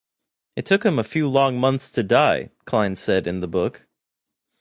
"It took him a few long months to die", Klein said in the book.